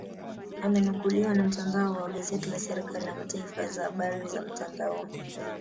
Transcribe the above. Amenukuliwa na mtandao wa gazeti la serikali la taarifa za habari za mtandaoni